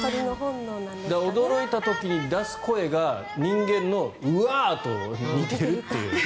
驚いた時に出る声が人間のうわあ！と似ているという。